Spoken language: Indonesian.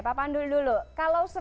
pak pandu dulu